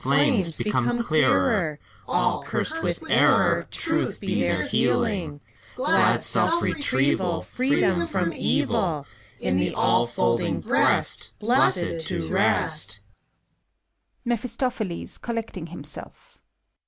Flames, become clearer I All, cursed with error, Truth be their healing I Glad self retrieval Free them from Evil, In the all folding Breast, Blessed, to rest!